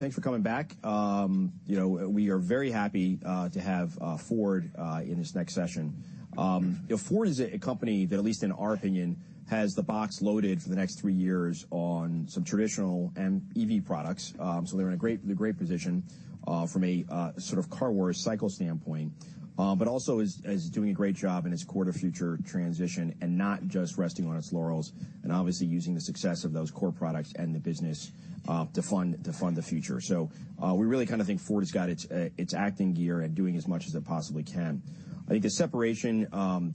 Thanks for coming back. You know, we are very happy to have Ford in this next session. You know, Ford is a company that, at least in our opinion, has the box loaded for the next three years on some traditional and EV products. So they're in a great position from a sort of Car Wars cycle standpoint, but also is doing a great job in its core-to-future transition and not just resting on its laurels and obviously using the success of those core products and the business to fund the future. So we really kind of think Ford has got its act in gear and doing as much as it possibly can. I think the separation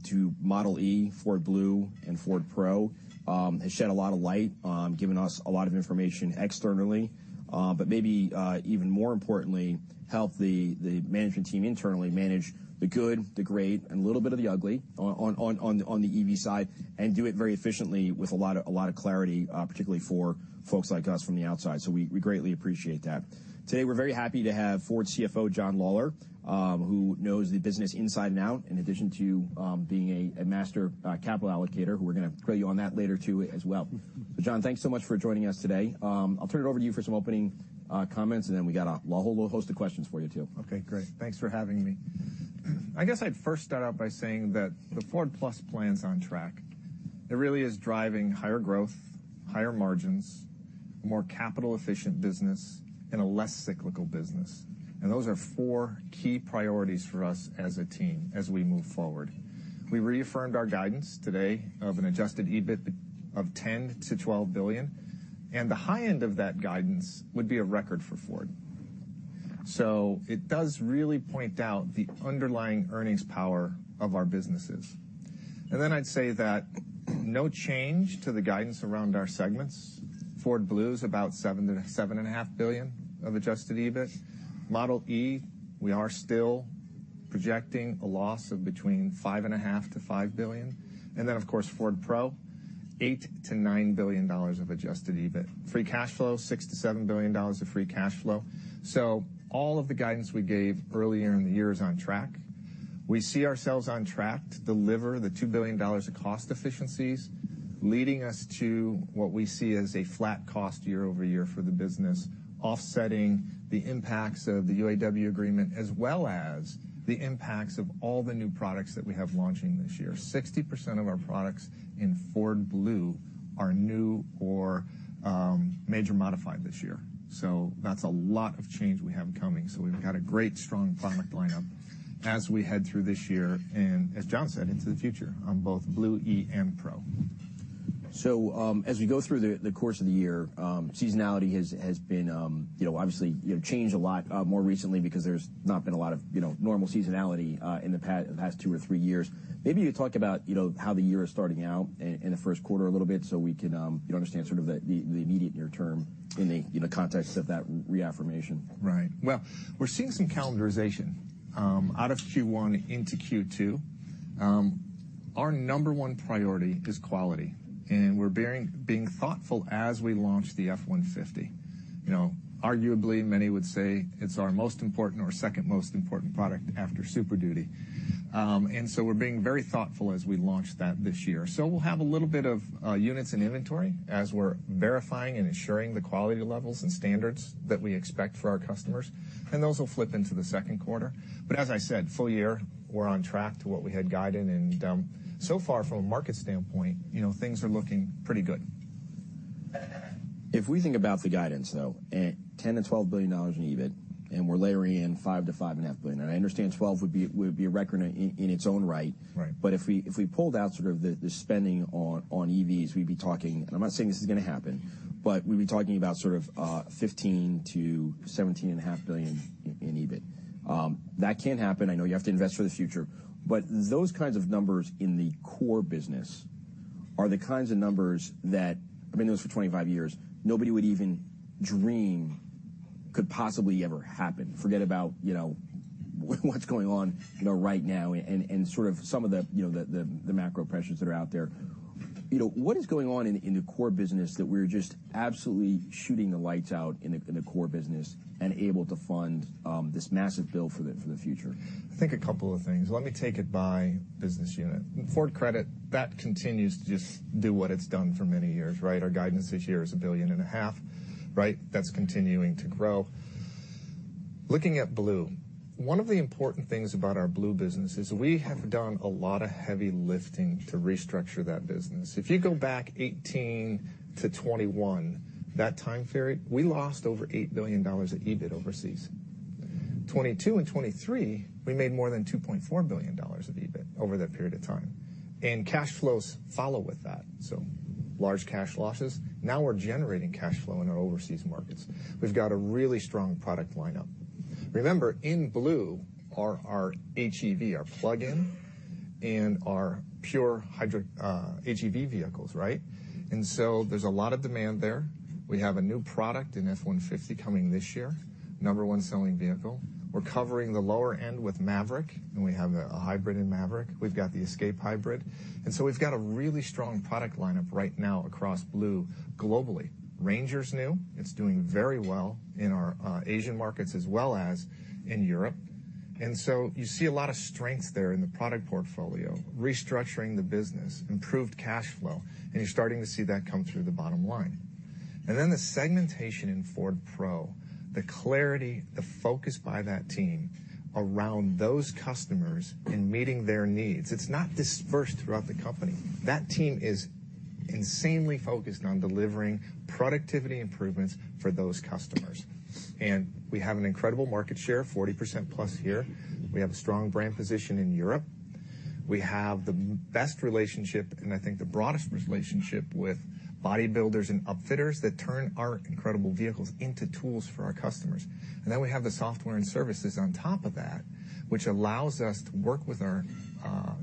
to Model e, Ford Blue, and Ford Pro has shed a lot of light, given us a lot of information externally, but maybe even more importantly, helped the management team internally manage the good, the great, and a little bit of the ugly on the EV side, and do it very efficiently with a lot of clarity, particularly for folks like us from the outside. We greatly appreciate that. Today, we're very happy to have Ford CFO, John Lawler, who knows the business inside and out, in addition to being a master capital allocator, who we're gonna grill you on that later, too, as well. John, thanks so much for joining us today. I'll turn it over to you for some opening comments, and then we got a whole host of questions for you, too. Okay, great. Thanks for having me. I guess I'd first start out by saying that the Ford+ plan is on track. It really is driving higher growth, higher margins, more capital-efficient business, and a less cyclical business, and those are four key priorities for us as a team, as we move forward. We reaffirmed our guidance today of an adjusted EBIT of $10 billion-$12 billion, and the high end of that guidance would be a record for Ford. So it does really point out the underlying earnings power of our businesses. And then I'd say that no change to the guidance around our segments. Ford Blue is about $7 billion-$7.5 billion of adjusted EBIT. Model e, we are still projecting a loss of between $5.5 billion-$5 billion. And then, of course, Ford Pro, $8-$9 billion of adjusted EBIT. Free cash flow: $6-$7 billion of free cash flow. So all of the guidance we gave earlier in the year is on track. We see ourselves on track to deliver the $2 billion of cost efficiencies, leading us to what we see as a flat cost year-over-year for the business, offsetting the impacts of the UAW agreement, as well as the impacts of all the new products that we have launching this year. 60% of our products in Ford Blue are new or major modified this year. So that's a lot of change we have coming. So we've got a great, strong product lineup as we head through this year, and as John said, into the future on both Blue, E, and Pro. So, as we go through the course of the year, seasonality has been, you know, obviously, you know, changed a lot, more recently because there's not been a lot of, you know, normal seasonality, in the past two or three years. Maybe you talk about, you know, how the year is starting out in the first quarter a little bit, so we can, you know, understand sort of the immediate near term in the context of that reaffirmation. Right. Well, we're seeing some calendarization out of Q1 into Q2. Our number one priority is quality, and we're being thoughtful as we launch the F-150. You know, arguably, many would say it's our most important or second most important product after Super Duty. And so we're being very thoughtful as we launch that this year. So we'll have a little bit of units in inventory as we're verifying and ensuring the quality levels and standards that we expect for our customers, and those will flip into the second quarter. But as I said, full year, we're on track to what we had guided, and so far, from a market standpoint, you know, things are looking pretty good. If we think about the guidance, though, and $10 billion-$12 billion in EBIT, and we're layering in $5 billion-$5.5 billion. I understand twelve would be, would be a record in, in its own right. Right. But if we pulled out sort of the spending on EVs, we'd be talking... And I'm not saying this is gonna happen, but we'd be talking about sort of $15 billion-$17.5 billion in EBIT. That can't happen. I know you have to invest for the future, but those kinds of numbers in the core business are the kinds of numbers that, I've been doing this for 25 years, nobody would even dream could possibly ever happen. Forget about, you know, what's going on, you know, right now and sort of some of the, you know, the macro pressures that are out there. You know, what is going on in the core business that we're just absolutely shooting the lights out in the core business and able to fund this massive bill for the future? I think a couple of things. Let me take it by business unit. Ford Credit, that continues to just do what it's done for many years, right? Our guidance this year is $1.5 billion, right? That's continuing to grow. Looking at Blue, one of the important things about our Blue business is we have done a lot of heavy lifting to restructure that business. If you go back 2018-2021, that time period, we lost over $8 billion of EBIT overseas. 2022 and 2023, we made more than $2.4 billion of EBIT over that period of time, and cash flows follow with that, so large cash losses. Now we're generating cash flow in our overseas markets. We've got a really strong product lineup. Remember, in Blue are our HEV, our plug-in, and our pure hybrid HEV vehicles, right? And so there's a lot of demand there. We have a new product, an F-150, coming this year, number one selling vehicle. We're covering the lower end with Maverick, and we have a hybrid in Maverick. We've got the Escape Hybrid, and so we've got a really strong product lineup right now across Blue, globally. Ranger's new. It's doing very well in our Asian markets as well as in Europe. And so you see a lot of strength there in the product portfolio, restructuring the business, improved cash flow, and you're starting to see that come through the bottom line. And then the segmentation in Ford Pro, the clarity, the focus by that team around those customers and meeting their needs, it's not dispersed throughout the company. That team is insanely focused on delivering productivity improvements for those customers. We have an incredible market share, 40% plus here. We have a strong brand position in Europe. We have the best relationship, and I think the broadest relationship with body builders and outfitters that turn our incredible vehicles into tools for our customers. And then we have the software and services on top of that, which allows us to work with our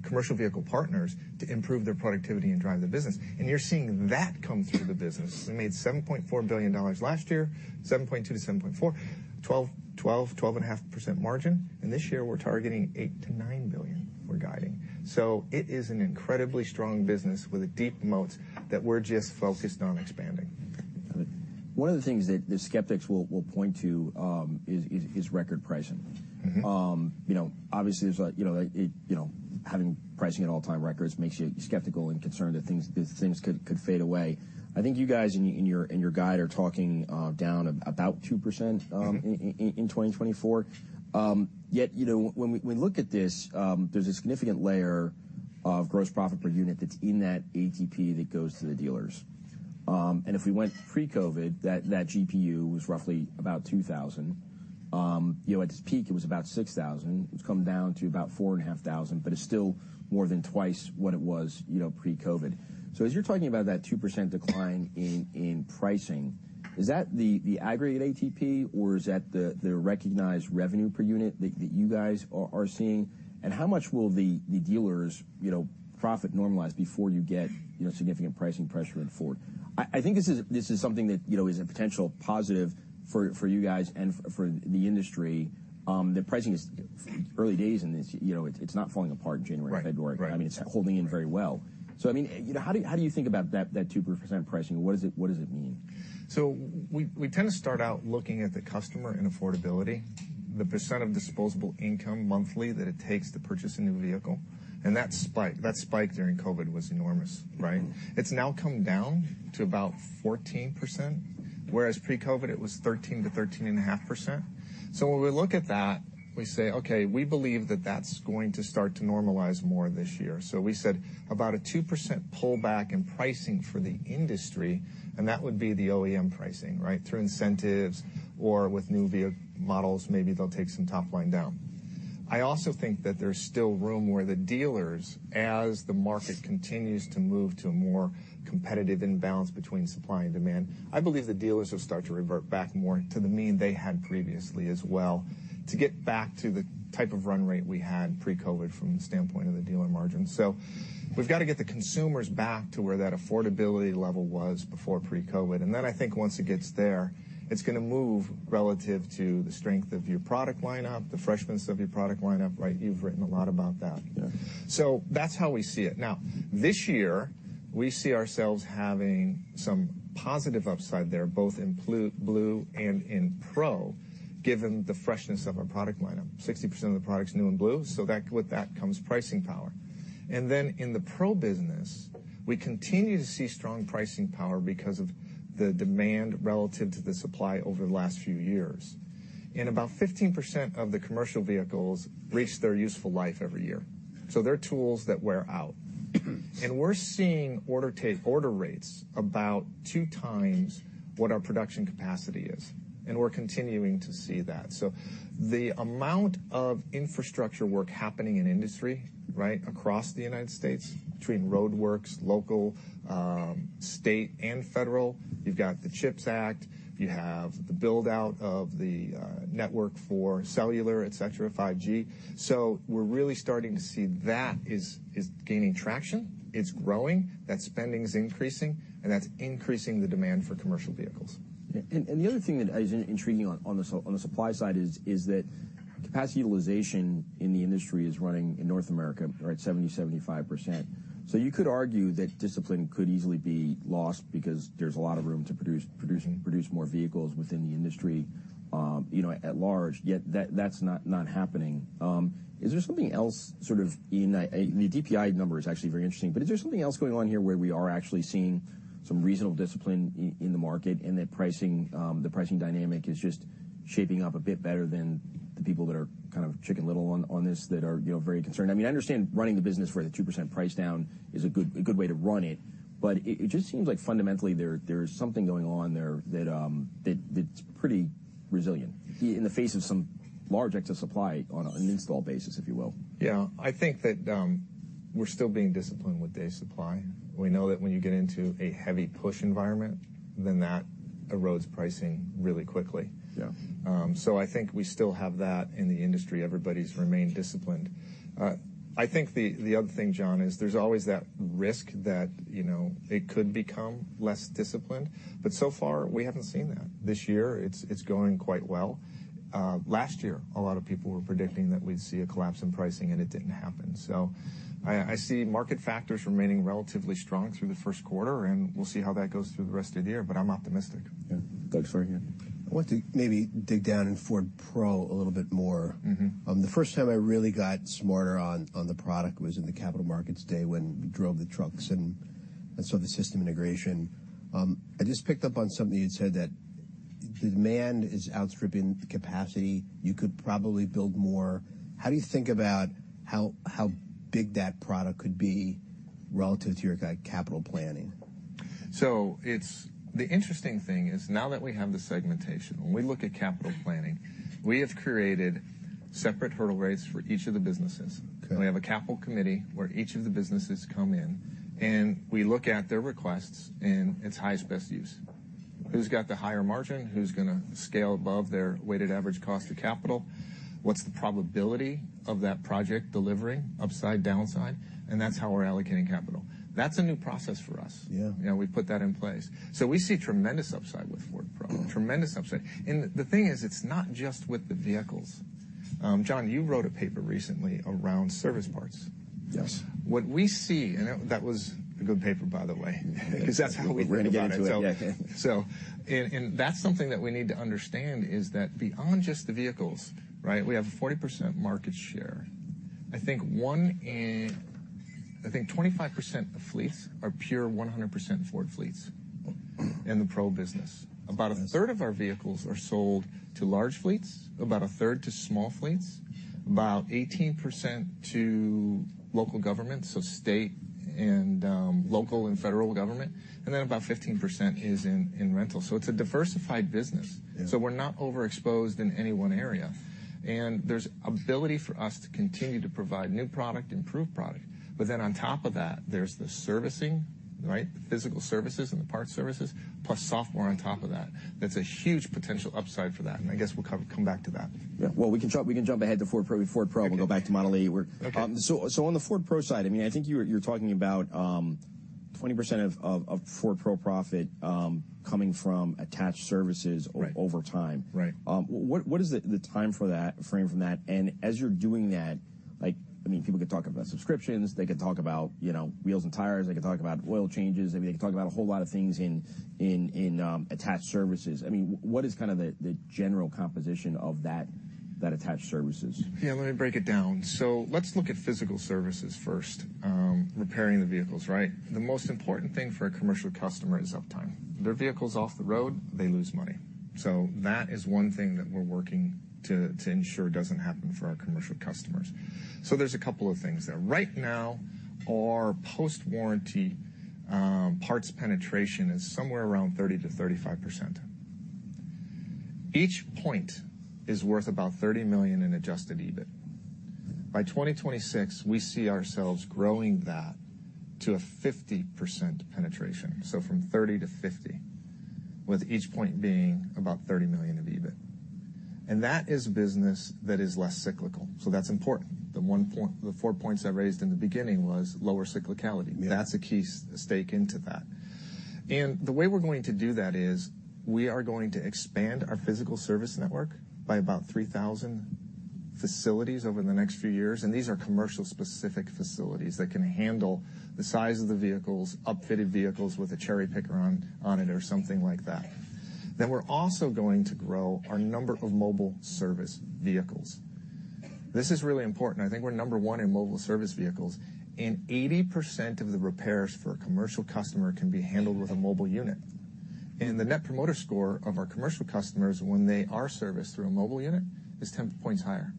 commercial vehicle partners to improve their productivity and drive the business. And you're seeing that come through the business. We made $7.4 billion last year, $7.2-$7.4, 12%-12.5% margin, and this year we're targeting $8-$9 billion, we're guiding. So it is an incredibly strong business with a deep moat that we're just focused on expanding. One of the things that the skeptics will point to is record pricing. Mm-hmm. You know, obviously, there's like, you know, having pricing at all-time records makes you skeptical and concerned that things could fade away. I think you guys, in your guide, are talking down about 2%- Mm-hmm.... in 2024. Yet, you know, when we look at this, there's a significant layer of gross profit per unit that's in that ATP that goes to the dealers. And if we went pre-COVID, that GPU was roughly about $2,000. You know, at its peak, it was about $6,000. It's come down to about $4,500, but it's still more than twice what it was, you know, pre-COVID. So as you're talking about that 2% decline in pricing, is that the aggregate ATP, or is that the recognized revenue per unit that you guys are seeing? And how much will the dealers' profit normalize before you get significant pricing pressure in Ford? I think this is something that, you know, is a potential positive for you guys and for the industry. The pricing is early days in this. You know, it's not falling apart in January, February. Right. Right. I mean, it's holding in very well. So, I mean, you know, how do you, how do you think about that, that 2% pricing? What does it, what does it mean? We, we tend to start out looking at the customer and affordability, the % of disposable income monthly that it takes to purchase a new vehicle, and that spike, that spike during COVID was enormous, right? Mm. It's now come down to about 14%, whereas pre-COVID, it was 13%-13.5%. So when we look at that, we say: Okay, we believe that that's going to start to normalize more this year. So we said about a 2% pullback in pricing for the industry, and that would be the OEM pricing, right? Through incentives or with new vehicle models, maybe they'll take some top line down. I also think that there's still room where the dealers, as the market continues to move to a more competitive imbalance between supply and demand, I believe the dealers will start to revert back more to the mean they had previously as well, to get back to the type of run rate we had pre-COVID from the standpoint of the dealer margin. We've got to get the consumers back to where that affordability level was before pre-COVID. Then I think once it gets there, it's gonna move relative to the strength of your product lineup, the freshness of your product lineup, right? You've written a lot about that. Yeah. So that's how we see it. Now, this year, we see ourselves having some positive upside there, both in Blue and in Pro, given the freshness of our product lineup. 60% of the product's new in Blue, so that, with that comes pricing power. And then in the Pro business, we continue to see strong pricing power because of the demand relative to the supply over the last few years. And about 15% of the commercial vehicles reach their useful life every year. So they're tools that wear out. And we're seeing order take, order rates about 2x what our production capacity is, and we're continuing to see that. So the amount of infrastructure work happening in industry, right, across the United States, between roadworks, local, state, and federal, you've got the CHIPS Act, you have the build-out of the network for cellular, et cetera, 5G. So we're really starting to see that is gaining traction, it's growing, that spending is increasing, and that's increasing the demand for commercial vehicles. Yeah. And the other thing that is intriguing on the supply side is that capacity utilization in the industry is running in North America, right, 70%-75%. So you could argue that discipline could easily be lost because there's a lot of room to produce more vehicles within the industry, you know, at large, yet that, that's not, not happening. Is there something else sort of in the DPI number is actually very interesting, but is there something else going on here, where we are actually seeing some reasonable discipline in the market, and the pricing, the pricing dynamic is just shaping up a bit better than the people that are kind of Chicken Little on this, that are, you know, very concerned? I mean, I understand running the business where the 2% price down is a good, a good way to run it, but it just seems like fundamentally there, there is something going on there that, that's pretty resilient, in the face of some large excess supply on an install basis, if you will. Yeah. I think that, we're still being disciplined with the supply. We know that when you get into a heavy push environment, then that erodes pricing really quickly. Yeah. So I think we still have that in the industry. Everybody's remained disciplined. I think the, the other thing, John, is there's always that risk that, you know, it could become less disciplined, but so far, we haven't seen that. This year it's, it's going quite well. Last year, a lot of people were predicting that we'd see a collapse in pricing, and it didn't happen. So I, I see market factors remaining relatively strong through the first quarter, and we'll see how that goes through the rest of the year, but I'm optimistic. Yeah. Thanks for being here. I want to maybe dig down in Ford Pro a little bit more. Mm-hmm. The first time I really got smarter on the product was in the Capital Markets Day when we drove the trucks and saw the system integration. I just picked up on something you'd said, that the demand is outstripping the capacity. You could probably build more. How do you think about how big that product could be relative to your, like, capital planning? So it's the interesting thing is, now that we have the segmentation, when we look at capital planning, we have created separate hurdle rates for each of the businesses. Okay. We have a capital committee where each of the businesses come in, and we look at their requests, and it's highest, best use. Who's got the higher margin? Who's gonna scale above their weighted average cost of capital? What's the probability of that project delivering upside, downside? And that's how we're allocating capital. That's a new process for us. Yeah. You know, we put that in place, so we see tremendous upside with Ford Pro. Mm. Tremendous upside. And the thing is, it's not just with the vehicles. John, you wrote a paper recently around service parts. Yes. What we see... And that, that was a good paper, by the way, because that's how we read about it. Yeah. So that's something that we need to understand, is that beyond just the vehicles, right, we have a 40% market share. I think one in... I think 25% of fleets are pure 100% Ford fleets in the Pro business. About a third of our vehicles are sold to large fleets, about a third to small fleets, about 18% to local government, so state and local and federal government, and then about 15% is in rental. So it's a diversified business. Yeah. So we're not overexposed in any one area, and there's ability for us to continue to provide new product, improved product. But then on top of that, there's the servicing, right? The physical services and the parts services, plus software on top of that. That's a huge potential upside for that, and I guess we'll come back to that. Yeah. Well, we can jump, we can jump ahead to Ford Pro, before Ford Pro- Okay. -and go back to Model e, where- Okay. So, on the Ford Pro side, I mean, I think you're talking about 20% of Ford Pro profit coming from attached services- Right. -over time. Right. What is the time frame for that? And as you're doing that, like, I mean, people could talk about subscriptions, they could talk about, you know, wheels and tires. They could talk about oil changes. I mean, they could talk about a whole lot of things in attached services. I mean, what is kind of the general composition of that attached services? Yeah, let me break it down. So let's look at physical services first. Repairing the vehicles, right? The most important thing for a commercial customer is uptime. Their vehicle's off the road, they lose money. So that is one thing that we're working to ensure doesn't happen for our commercial customers. So there's a couple of things there. Right now, our post-warranty parts penetration is somewhere around 30%-35%. Each point is worth about $30 million in adjusted EBIT. By 2026, we see ourselves growing that to a 50% penetration, so from 30-50, with each point being about $30 million of EBIT. And that is a business that is less cyclical, so that's important. The one point, the four points I raised in the beginning was lower cyclicality. Yeah. That's a key stake into that. And the way we're going to do that is, we are going to expand our physical service network by about 3,000 facilities over the next few years, and these are commercial-specific facilities that can handle the size of the vehicles, upfitted vehicles with a cherry picker on it or something like that. Then we're also going to grow our number of mobile service vehicles. This is really important. I think we're number one in mobile service vehicles, and 80% of the repairs for a commercial customer can be handled with a mobile unit. And the Net Promoter Score of our commercial customers when they are serviced through a mobile unit is 10 points higher.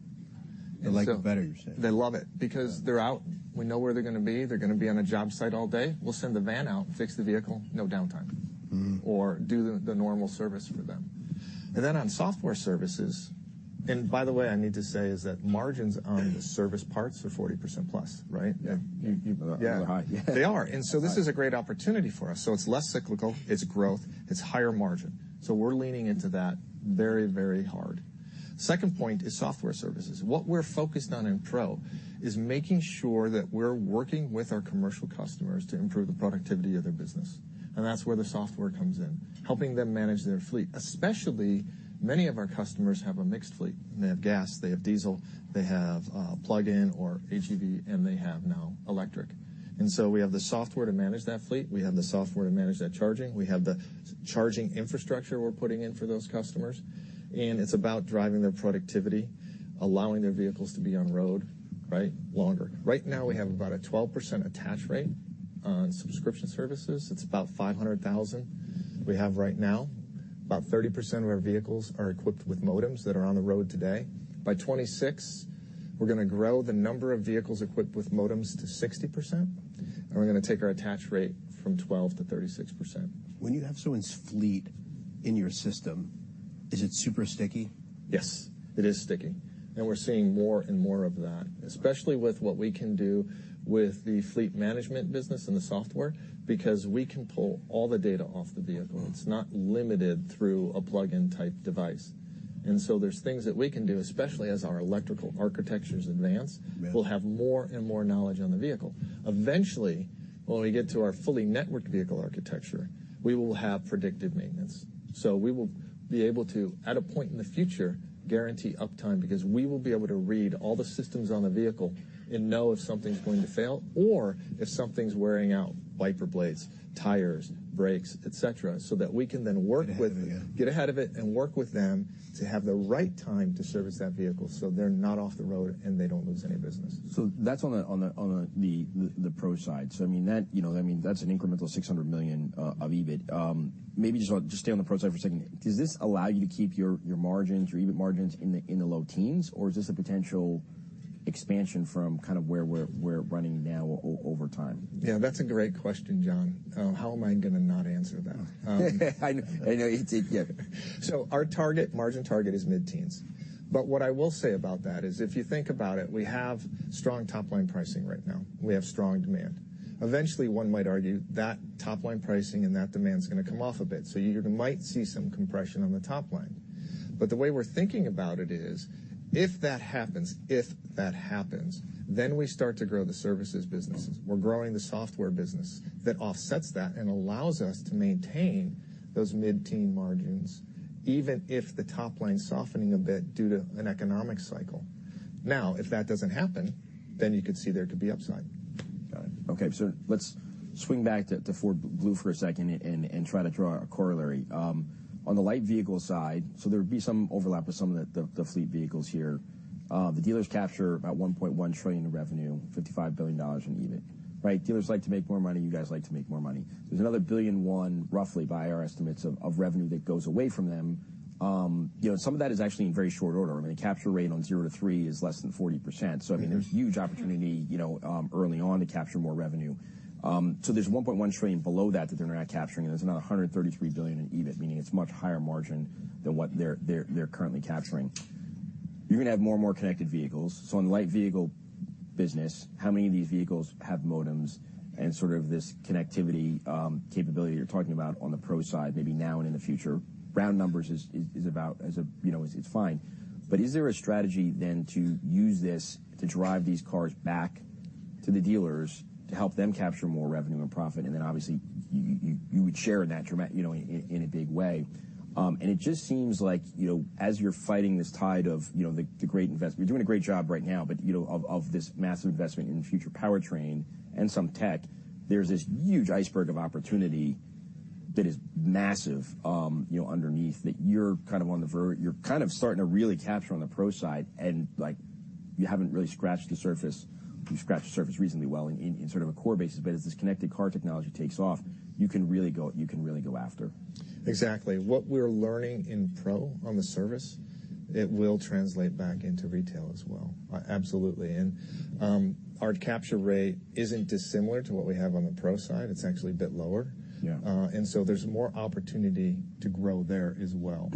They like it better, you're saying? They love it because they're out. We know where they're gonna be. They're gonna be on a job site all day. We'll send the van out, fix the vehicle, no downtime- Mm-hmm. or do the normal service for them. And then on software services... And by the way, I need to say, is that margins on the service parts are 40% plus, right? Yeah. Yeah. High. They are. And so this is a great opportunity for us. So it's less cyclical, it's growth, it's higher margin, so we're leaning into that very, very hard. Second point is software services. What we're focused on in Pro is making sure that we're working with our commercial customers to improve the productivity of their business, and that's where the software comes in, helping them manage their fleet, especially many of our customers have a mixed fleet. They have gas, they have diesel, they have plug-in or HEV, and they have now electric. And so we have the software to manage that fleet. We have the software to manage that charging. We have the charging infrastructure we're putting in for those customers, and it's about driving their productivity, allowing their vehicles to be on road, right, longer. Right now, we have about a 12% attach rate on subscription services. It's about 500,000 we have right now. About 30% of our vehicles are equipped with modems that are on the road today. By 2026, we're gonna grow the number of vehicles equipped with modems to 60%, and we're gonna take our attach rate from 12% to 36%. When you have someone's fleet in your system, is it super sticky? Yes, it is sticky, and we're seeing more and more of that, especially with what we can do with the fleet management business and the software because we can pull all the data off the vehicle. Mm. It's not limited through a plug-in type device. And so there's things that we can do, especially as our electrical architectures advance. Yeah. We'll have more and more knowledge on the vehicle. Eventually, when we get to our fully networked vehicle architecture, we will have predictive maintenance. So we will be able to, at a point in the future, guarantee uptime because we will be able to read all the systems on the vehicle and know if something's going to fail or if something's wearing out, wiper blades, tires, brakes, et cetera, so that we can then work with- Get ahead of it. Get ahead of it, and work with them to have the right time to service that vehicle, so they're not off the road, and they don't lose any business. ...So that's on the pro side. So, I mean, that, you know, I mean, that's an incremental $600 million of EBIT. Maybe just stay on the pro side for a second. Does this allow you to keep your margins, your EBIT margins in the low teens? Or is this a potential expansion from kind of where we're running now over time? Yeah, that's a great question, John. How am I gonna not answer that? I know, I know you did, yeah. So our target margin target is mid-teens. But what I will say about that is, if you think about it, we have strong top-line pricing right now. We have strong demand. Eventually, one might argue that top-line pricing and that demand is gonna come off a bit, so you might see some compression on the top line. But the way we're thinking about it is, if that happens, if that happens, then we start to grow the services businesses. We're growing the software business. That offsets that and allows us to maintain those mid-teen margins, even if the top line's softening a bit due to an economic cycle. Now, if that doesn't happen, then you could see there could be upside. Got it. Okay, so let's swing back to Ford Blue for a second and try to draw a corollary. On the light vehicle side, so there would be some overlap with some of the fleet vehicles here. The dealers capture about $1.1 trillion in revenue, $55 billion in EBIT, right? Dealers like to make more money. You guys like to make more money. There's another $1 billion, roughly, by our estimates of revenue that goes away from them. You know, some of that is actually in very short order. I mean, the capture rate on 0-3 is less than 40%. Mm-hmm. So, I mean, there's huge opportunity, you know, early on to capture more revenue. So there's $1.1 trillion below that that they're not capturing, and there's another $133 billion in EBIT, meaning it's much higher margin than what they're currently capturing. You're gonna have more and more connected vehicles. So in light vehicle business, how many of these vehicles have modems and sort of this connectivity capability you're talking about on the pro side, maybe now and in the future? Round numbers is about, you know, it's fine. But is there a strategy then to use this to drive these cars back to the dealers to help them capture more revenue and profit, and then obviously you would share in that dramatic, you know, in a big way? And it just seems like, you know, as you're fighting this tide of, you know, the great investment, you're doing a great job right now, but, you know, of this massive investment in future powertrain and some tech, there's this huge iceberg of opportunity that is massive, you know, underneath that you're kind of starting to really capture on the pro side, and, like, you haven't really scratched the surface. You've scratched the surface recently well in, in sort of a core basis, but as this connected car technology takes off, you can really go, you can really go after. Exactly. What we're learning in pro, on the service, it will translate back into retail as well. Absolutely, and, our capture rate isn't dissimilar to what we have on the pro side. It's actually a bit lower. Yeah. and so there's more opportunity to grow there as well.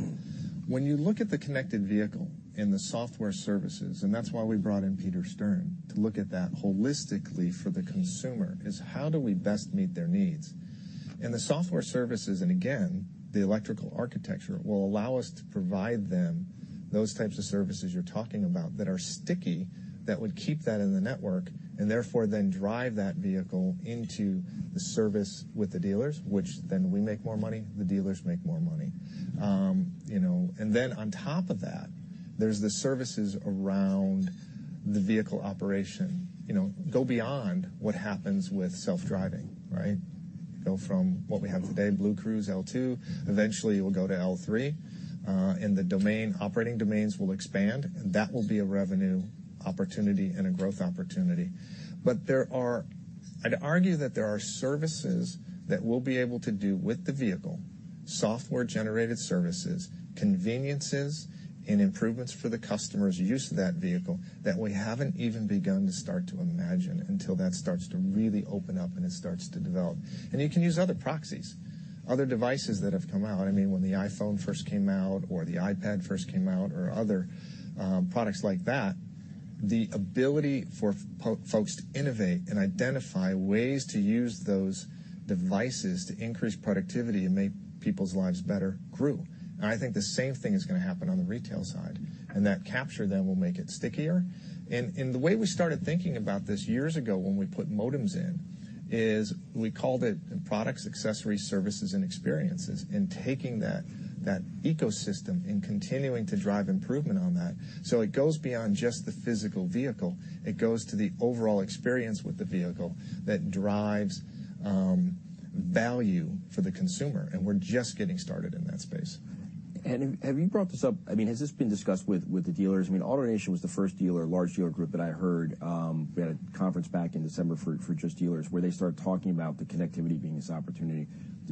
When you look at the connected vehicle and the software services, and that's why we brought in Peter Stern, to look at that holistically for the consumer, is how do we best meet their needs? And the software services, and again, the electrical architecture, will allow us to provide them those types of services you're talking about that are sticky, that would keep that in the network, and therefore then drive that vehicle into the service with the dealers, which then we make more money, the dealers make more money. You know, and then on top of that, there's the services around the vehicle operation. You know, go beyond what happens with self-driving, right? Go from what we have today, BlueCruise L2. Eventually, we'll go to L3, and the domain, operating domains will expand, and that will be a revenue opportunity and a growth opportunity. But there are... I'd argue that there are services that we'll be able to do with the vehicle, software-generated services, conveniences and improvements for the customer's use of that vehicle that we haven't even begun to start to imagine until that starts to really open up and it starts to develop. And you can use other proxies, other devices that have come out. I mean, when the iPhone first came out or the iPad first came out, or other, products like that, the ability for folks to innovate and identify ways to use those devices to increase productivity and make people's lives better grew. And I think the same thing is gonna happen on the retail side, and that capture then will make it stickier. And the way we started thinking about this years ago when we put modems in is we called it products, accessories, services, and experiences, and taking that ecosystem and continuing to drive improvement on that. So it goes beyond just the physical vehicle. It goes to the overall experience with the vehicle that drives value for the consumer, and we're just getting started in that space. Have you brought this up? I mean, has this been discussed with the dealers? I mean, AutoNation was the first large dealer group that I heard, we had a conference back in December for just dealers, where they started talking about the connectivity being this opportunity.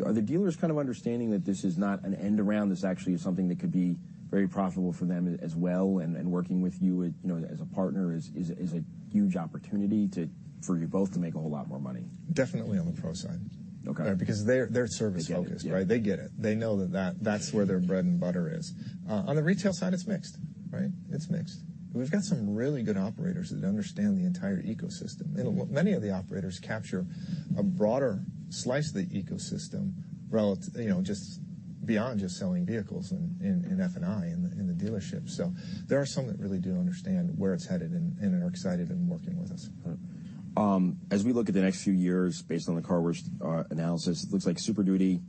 Are the dealers kind of understanding that this is not an end around, this actually is something that could be very profitable for them as well, and working with you, you know, as a partner is a huge opportunity to, for you both to make a whole lot more money? Definitely on the pro side. Okay. Because they're, they're service-focused, right? Yeah. They get it. They know that that, that's where their bread and butter is. On the retail side, it's mixed, right? It's mixed. We've got some really good operators that understand the entire ecosystem. Mm-hmm. Many of the operators capture a broader slice of the ecosystem relative, you know, just beyond just selling vehicles and, and F&I in the, in the dealership. There are some that really do understand where it's headed and, and are excited and working with us. As we look at the next few years, based on the Car Wars analysis, it looks like Super Duty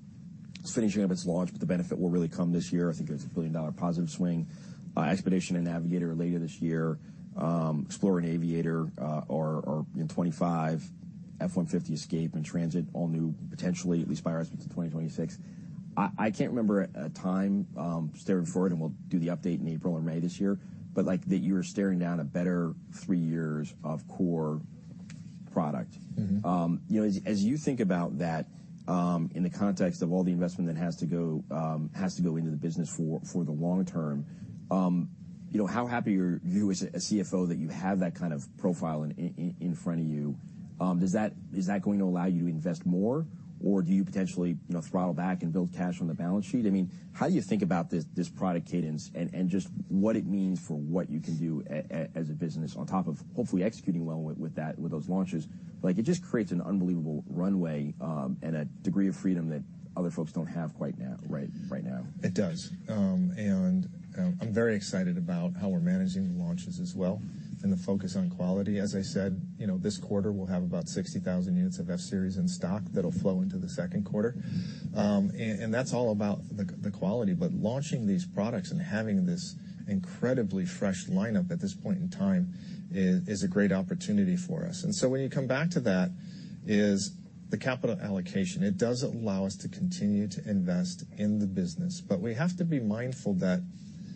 is finishing up its launch, but the benefit will really come this year. I think there's a billion-dollar positive swing. Expedition and Navigator later this year. Explorer and Aviator are in 2025. F-150, Escape, and Transit, all new, potentially, at least by our estimates, in 2026. I can't remember a time staring forward, and we'll do the update in April or May this year, but, like, that you're staring down a better three years of core product. Mm-hmm. You know, as you think about that, in the context of all the investment that has to go, has to go into the business for the long term, you know, how happy are you as a CFO that you have that kind of profile in front of you? Is that going to allow you to invest more, or do you potentially, you know, throttle back and build cash on the balance sheet? I mean, how do you think about this product cadence and just what it means for what you can do as a business on top of hopefully executing well with that, with those launches? Like, it just creates an unbelievable runway, and a degree of freedom that other folks don't have quite now, right, right now. It does. I'm very excited about how we're managing the launches as well, and the focus on quality. As I said, you know, this quarter, we'll have about 60,000 units of F-Series in stock that'll flow into the second quarter. That's all about the quality. But launching these products and having this incredibly fresh lineup at this point in time is a great opportunity for us. And so when you come back to that, is the capital allocation. It does allow us to continue to invest in the business, but we have to be mindful that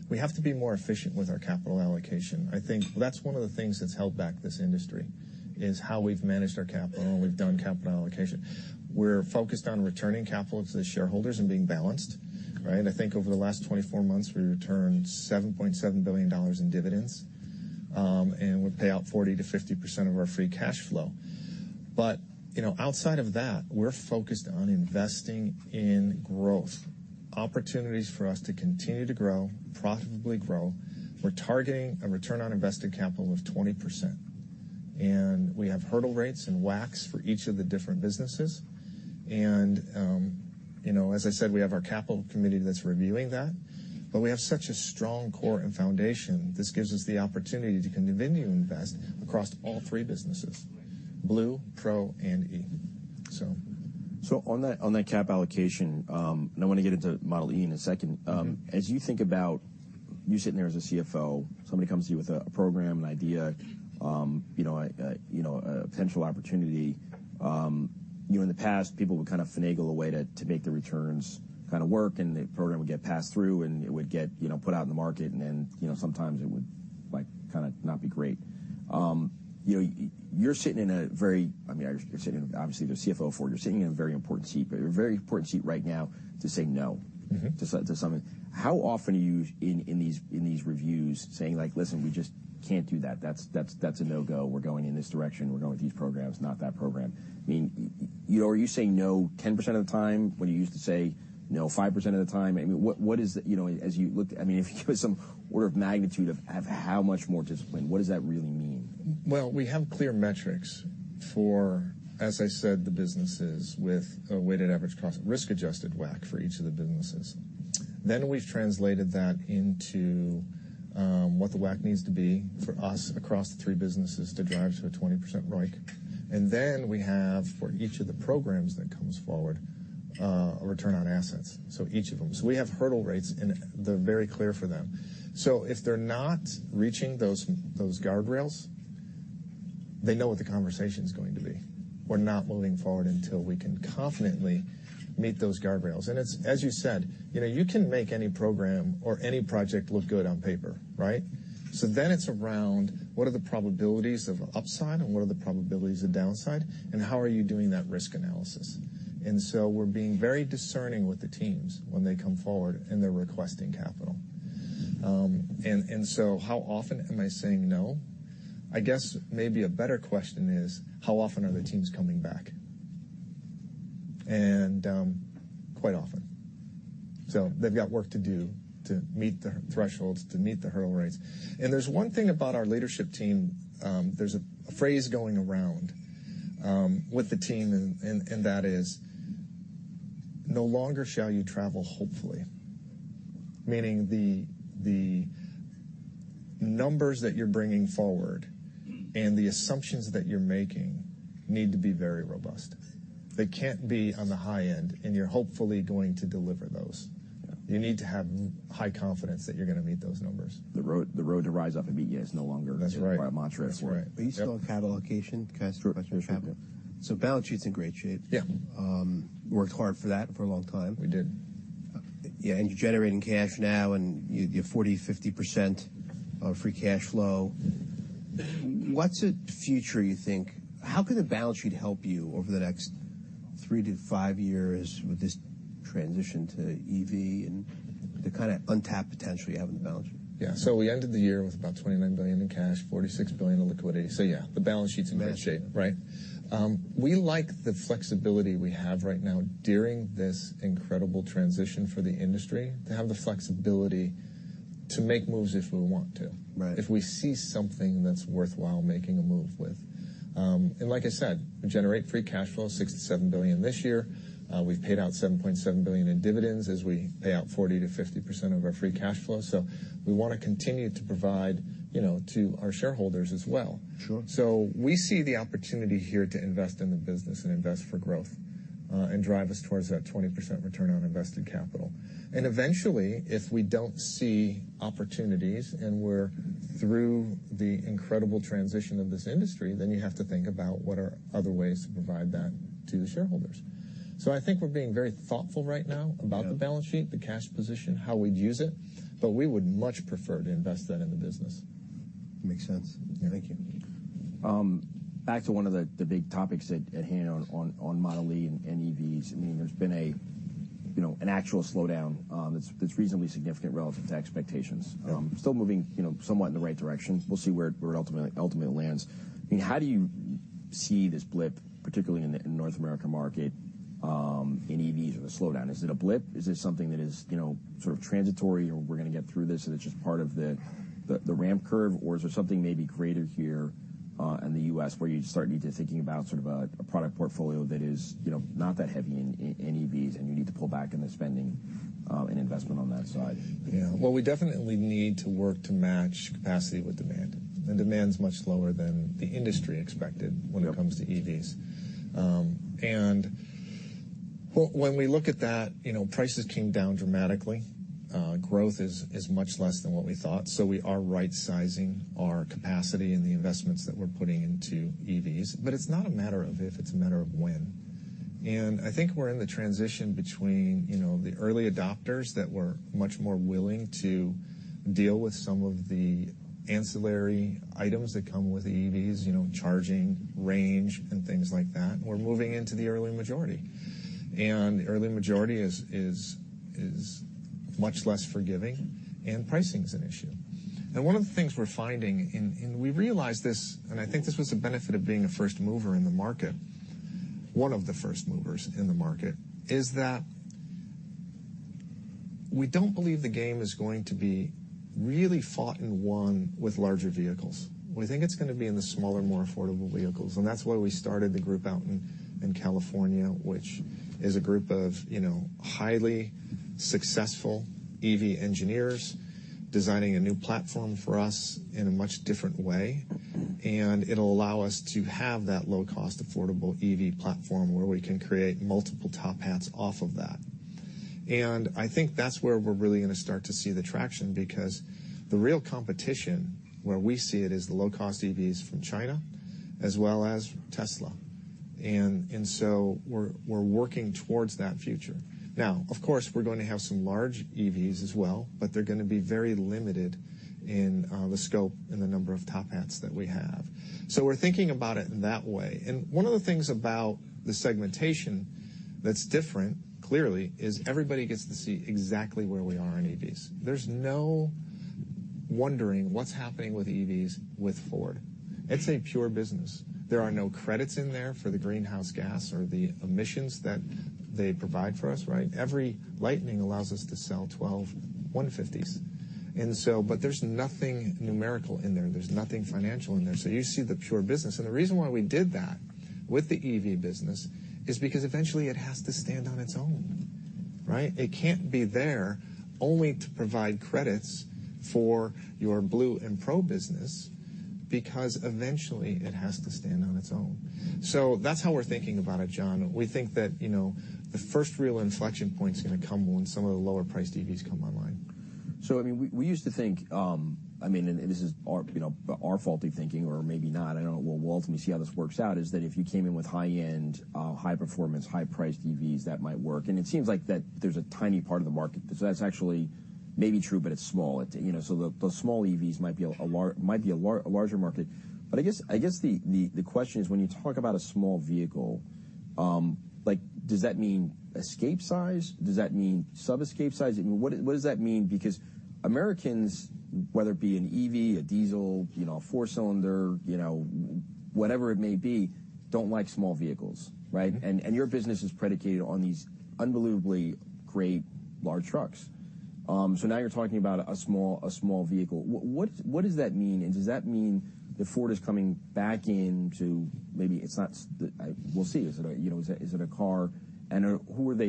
we have to be more efficient with our capital allocation. I think that's one of the things that's held back this industry, is how we've managed our capital and we've done capital allocation. We're focused on returning capital to the shareholders and being balanced, right? I think over the last 24 months, we returned $7.7 billion in dividends, and we pay out 40%-50% of our free cash flow. But, you know, outside of that, we're focused on investing in growth opportunities for us to continue to grow, profitably grow. We're targeting a return on invested capital of 20%, and we have hurdle rates and WACCs for each of the different businesses. And, you know, as I said, we have our capital committee that's reviewing that, but we have such a strong core and foundation. This gives us the opportunity to continue to invest across all three businesses: Blue, Pro, and E. So... So on that, on that cap allocation, and I want to get into Model e in a second. Mm-hmm. As you think about you sitting there as a CFO, somebody comes to you with a program, an idea, you know, a potential opportunity. You know, in the past, people would kind of finagle a way to make the returns kind of work, and the program would get passed through, and it would get, you know, put out in the market, and then, you know, sometimes it would, like, kind of not be great. You know, you're sitting in a very... I mean, obviously, you're sitting, obviously, the CFO for it. You're sitting in a very important seat, but you're a very important seat right now to say no- Mm-hmm... to something. How often are you in these reviews saying, like: "Listen, we just can't do that. That's a no-go. We're going in this direction. We're going with these programs, not that program"? I mean, you know, are you saying no 10% of the time when you used to say no 5% of the time? I mean, what is the... You know, as you look, I mean, if you give us some order of magnitude of how much more discipline, what does that really mean? Well, we have clear metrics for, as I said, the businesses with a weighted average cost, risk-adjusted WACC for each of the businesses. Then we've translated that into what the WACC needs to be for us across the three businesses to drive to a 20% ROIC. And then we have, for each of the programs that comes forward, a return on assets, so each of them. So we have hurdle rates, and they're very clear for them. So if they're not reaching those, those guardrails, they know what the conversation is going to be. We're not moving forward until we can confidently meet those guardrails. And it's, as you said, you know, you can make any program or any project look good on paper, right? So then it's around what are the probabilities of upside and what are the probabilities of downside, and how are you doing that risk analysis? And so we're being very discerning with the teams when they come forward, and they're requesting capital. And so how often am I saying no? I guess maybe a better question is, how often are the teams coming back? And, quite often. So they've got work to do to meet the thresholds, to meet the hurdle rates. And there's one thing about our leadership team. There's a phrase going around with the team, and that is: No longer shall you travel hopefully. Meaning the numbers that you're bringing forward- Mm-hmm.... and the assumptions that you're making need to be very robust. They can't be on the high end, and you're hopefully going to deliver those. Yeah. You need to have high confidence that you're going to meet those numbers. The road, the road to rise up and meet you is no longer- That's right. -your mantra. That's right. Are you still on capital allocation? Can I ask you a question on capital? Sure. Balance sheet's in great shape. Yeah. Worked hard for that for a long time. We did. Yeah, and you're generating cash now, and you, you have 40-50% of Free Cash Flow. What's the future, you think? How could the balance sheet help you over the next 3-5 years with this transition to EV and the kind of untapped potential you have on the balance sheet? Yeah. So we ended the year with about $29 billion in cash, $46 billion in liquidity. So yeah, the balance sheet's in great shape, right? Mm-hmm. We like the flexibility we have right now during this incredible transition for the industry, to have the flexibility to make moves if we want to- Right... if we see something that's worthwhile making a move with. Like I said, we generate free cash flow, $6 billion-$7 billion this year. We've paid out $7.7 billion in dividends as we pay out 40%-50% of our free cash flow. So we want to continue to provide, you know, to our shareholders as well. Sure. We see the opportunity here to invest in the business and invest for growth, and drive us towards that 20% return on invested capital. And eventually, if we don't see opportunities, and we're through the incredible transition of this industry, then you have to think about what are other ways to provide that to the shareholders. I think we're being very thoughtful right now. Yeah.... about the balance sheet, the cash position, how we'd use it, but we would much prefer to invest that in the business. Makes sense. Yeah, thank you. Back to one of the big topics at hand on Model e and EVs. I mean, there's been, you know, an actual slowdown that's reasonably significant relative to expectations. Yeah. Still moving, you know, somewhat in the right direction. We'll see where it ultimately lands. I mean, how do you see this blip, particularly in the North America market, in EVs or the slowdown? Is it a blip? Is this something that is, you know, sort of transitory, or we're gonna get through this, and it's just part of the ramp curve? Or is there something maybe greater here, in the U.S. where you start need to thinking about sort of a product portfolio that is, you know, not that heavy in EVs, and you need to pull back in the spending and investment on that side? Yeah. Well, we definitely need to work to match capacity with demand, and demand's much lower than the industry expected- Yeah.... when it comes to EVs. And when we look at that, you know, prices came down dramatically. Growth is much less than what we thought, so we are right-sizing our capacity and the investments that we're putting into EVs. But it's not a matter of if, it's a matter of when. And I think we're in the transition between, you know, the early adopters that were much more willing to deal with some of the ancillary items that come with EVs, you know, charging, range, and things like that. We're moving into the early majority, and the early majority is much less forgiving, and pricing's an issue. And one of the things we're finding, and we realized this, and I think this was the benefit of being a first mover in the market, one of the first movers in the market, is that we don't believe the game is going to be really fought and won with larger vehicles. We think it's gonna be in the smaller, more affordable vehicles, and that's why we started the group out in California, which is a group of, you know, highly successful EV engineers designing a new platform for us in a much different way. And it'll allow us to have that low-cost, affordable EV platform, where we can create multiple top hats off of that. And I think that's where we're really gonna start to see the traction, because the real competition, where we see it, is the low-cost EVs from China, as well as Tesla. So we're working towards that future. Now, of course, we're going to have some large EVs as well, but they're gonna be very limited in the scope and the number of top hats that we have. So we're thinking about it in that way. And one of the things about the segmentation that's different, clearly, is everybody gets to see exactly where we are in EVs. There's no wondering what's happening with EVs with Ford. It's a pure business. There are no credits in there for the greenhouse gas or the emissions that they provide for us, right? Every Lightning allows us to sell 12 F-150s. And so, but there's nothing numerical in there. There's nothing financial in there. So you see the pure business, and the reason why we did that with the EV business is because eventually it has to stand on its own, right? It can't be there only to provide credits for your Blue and Pro business, because eventually it has to stand on its own. So that's how we're thinking about it, John. We think that, you know, the first real inflection point's gonna come when some of the lower-priced EVs come online. So, I mean, we used to think, I mean, and this is our, you know, our faulty thinking, or maybe not, I don't know. We'll ultimately see how this works out, is that if you came in with high-end, high-performance, high-priced EVs, that might work, and it seems like that there's a tiny part of the market. So that's actually maybe true, but it's small. It, you know, so the small EVs might be a larger market. But I guess the question is, when you talk about a small vehicle, like, does that mean Escape size? Does that mean sub-Escape size? What does that mean? Because Americans, whether it be an EV, a diesel, you know, a four-cylinder, you know, whatever it may be, don't like small vehicles, right? Mm-hmm. Your business is predicated on these unbelievably great large trucks. So now you're talking about a small vehicle. What, what does that mean? And does that mean that Ford is coming back into maybe it's not... We'll see. Is it a, you know, is it a car? And who are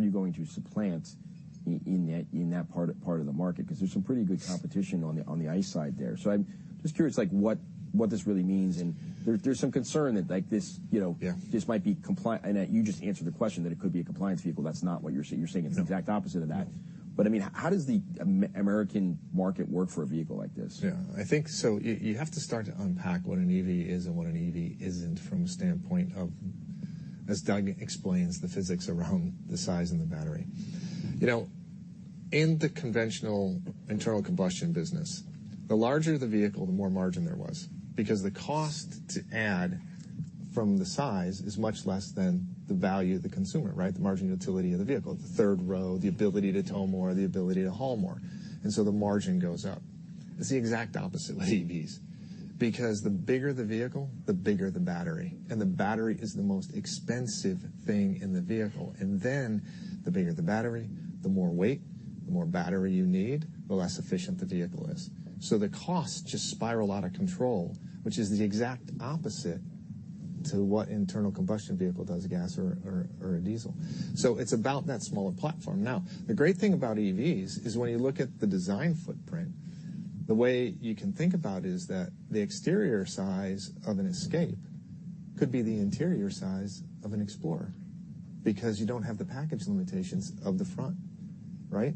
you going to supplant in that part of the market? 'Cause there's some pretty good competition on the ICE side there. So I'm just curious, like, what this really means, and there's some concern that, like, this, you know- Yeah.... this might be compliance and that you just answered the question, that it could be a compliance vehicle. That's not what you're saying. You're saying it's- No.... the exact opposite of that. No. But, I mean, how does the American market work for a vehicle like this? Yeah, I think so, you have to start to unpack what an EV is and what an EV isn't from a standpoint of, as Doug explains, the physics around the size and the battery. You know, in the conventional internal combustion business, the larger the vehicle, the more margin there was because the cost to add from the size is much less than the value of the consumer, right? The margin utility of the vehicle, the third row, the ability to tow more, the ability to haul more, and so the margin goes up. It's the exact opposite with EVs, because the bigger the vehicle, the bigger the battery, and the battery is the most expensive thing in the vehicle. And then the bigger the battery, the more weight, the more battery you need, the less efficient the vehicle is. So the costs just spiral out of control, which is the exact opposite to what internal combustion vehicle does, a gas or diesel. So it's about that smaller platform. Now, the great thing about EVs is when you look at the design footprint, the way you can think about it is that the exterior size of an Escape could be the interior size of an Explorer because you don't have the package limitations of the front, right?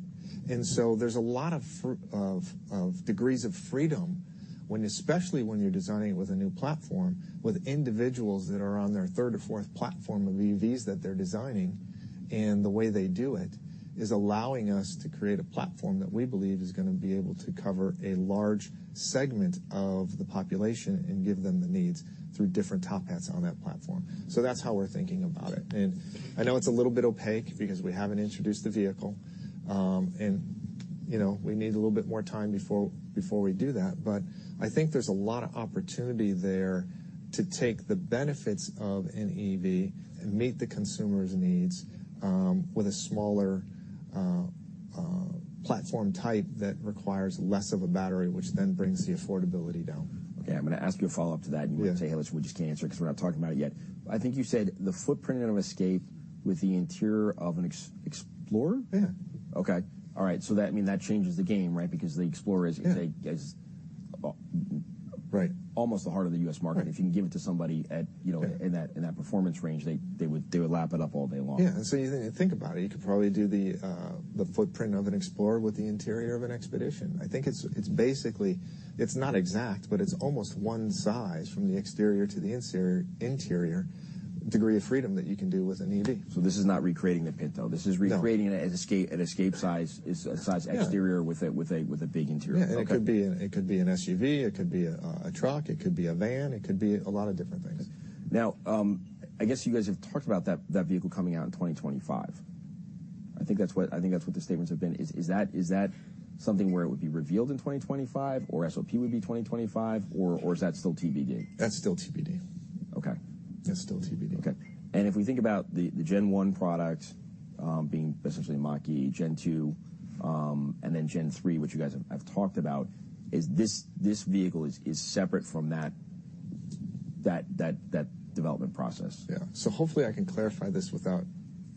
And so there's a lot of degrees of freedom when, especially when you're designing it with a new platform, with individuals that are on their third or fourth platform of EVs that they're designing... and the way they do it is allowing us to create a platform that we believe is gonna be able to cover a large segment of the population and give them the needs through different top hats on that platform. So that's how we're thinking about it. And I know it's a little bit opaque because we haven't introduced the vehicle, and, you know, we need a little bit more time before we do that. But I think there's a lot of opportunity there to take the benefits of an EV and meet the consumer's needs, with a smaller, platform type that requires less of a battery, which then brings the affordability down. Okay, I'm gonna ask you a follow-up to that. Yeah. You're gonna say, "Hey, listen, we just can't answer it 'cause we're not talking about it yet." I think you said the footprint of Escape with the interior of an Explorer? Yeah. Okay. All right, so that... I mean, that changes the game, right? Because the Explorer is- Yeah.... is a Right.... almost the heart of the U.S. market. Right. If you can give it to somebody at, you know- Yeah.... in that performance range, they would lap it up all day long. Yeah, so you think about it, you could probably do the footprint of an Explorer with the interior of an Expedition. I think it's basically... It's not exact, but it's almost one size from the exterior to the interior, interior degree of freedom that you can do with an EV. This is not recreating the Pinto. No. This is recreating it as Escape, an Escape-size, it's a size exterior- Yeah.... with a big interior. Yeah. Okay. It could be an SUV, it could be a truck, it could be a van, it could be a lot of different things. Now, I guess you guys have talked about that vehicle coming out in 2025. I think that's what the statements have been. Is that something where it would be revealed in 2025, or SOP would be 2025, or is that still TBD? That's still TBD. Okay. That's still TBD. Okay. If we think about the Gen 1 product, being essentially Mach-E, Gen 2, and then Gen 3, which you guys have talked about, is this vehicle separate from that development process? Yeah. So hopefully I can clarify this without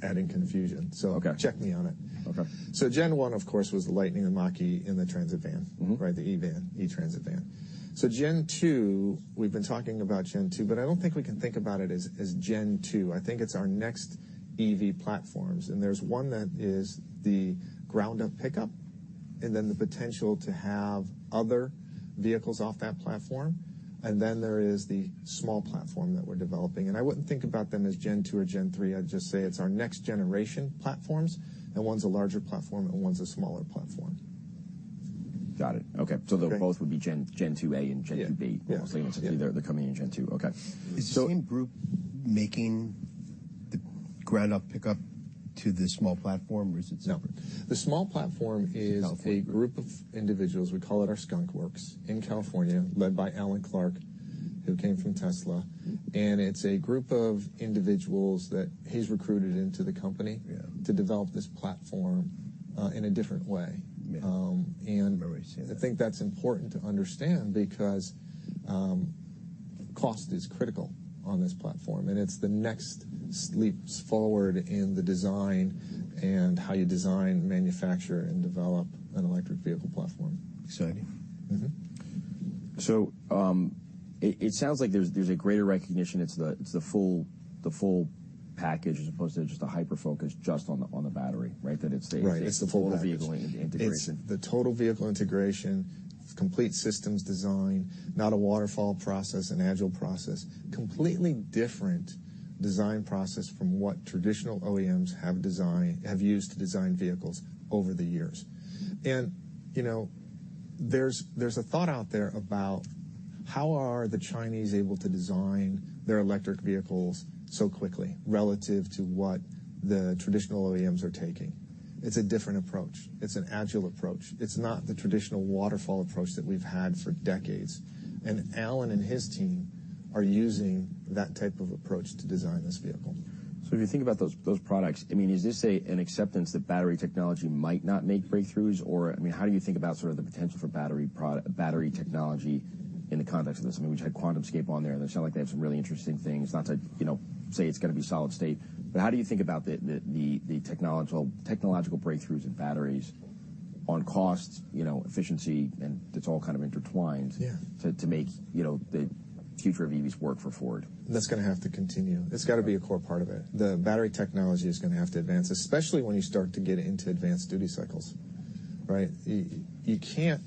adding confusion. Okay. Check me on it. Okay. Gen 1, of course, was the Lightning, the Mach-E and the Transit van. Mm-hmm. Right, the E-van, E-Transit van. So Gen 2, we've been talking about Gen 2, but I don't think we can think about it as Gen 2. I think it's our next EV platforms, and there's one that is the ground-up pickup, and then the potential to have other vehicles off that platform. And then there is the small platform that we're developing. And I wouldn't think about them as Gen 2 or Gen 3. I'd just say it's our next-generation platforms, and one's a larger platform, and one's a smaller platform. Got it. Okay. Okay. They both would be Gen 2A and Gen 2B. Yeah. Yeah. Mostly, they're coming in Gen 2. Okay. So- Is the same group making the ground-up pickup to the small platform, or is it separate? The small platform is- The California group.... a group of individuals, we call it our Skunk Works, in California, led by Alan Clarke, who came from Tesla. Mm-hmm. It's a group of individuals that he's recruited into the company. Yeah.... to develop this platform, in a different way. Yeah. Um, and- Right.... I think that's important to understand because, cost is critical on this platform, and it's the next leaps forward in the design and how you design, manufacture, and develop an electric vehicle platform. Exciting. Mm-hmm. So, it sounds like there's a greater recognition. It's the full package, as opposed to just a hyper-focus on the battery, right? That it's a- Right. It's the full package.... it's the total vehicle integration. It's the total vehicle integration. It's complete systems design, not a waterfall process, an agile process. Completely different design process from what traditional OEMs have designed, have used to design vehicles over the years. And, you know, there's a thought out there about, how are the Chinese able to design their electric vehicles so quickly relative to what the traditional OEMs are taking? It's a different approach. It's an agile approach. It's not the traditional waterfall approach that we've had for decades, and Alan and his team are using that type of approach to design this vehicle. So if you think about those products, I mean, is this an acceptance that battery technology might not make breakthroughs? Or, I mean, how do you think about sort of the potential for battery product, battery technology in the context of this? I mean, we just had QuantumScape on there, and it sounded like they had some really interesting things. Not to, you know, say it's gonna be solid state, but how do you think about the technological breakthroughs in batteries on cost, you know, efficiency, and it's all kind of intertwined- Yeah.... to make, you know, the future of EVs work for Ford? That's gonna have to continue. Yeah. It's gotta be a core part of it. The battery technology is gonna have to advance, especially when you start to get into advanced duty cycles, right? You can't.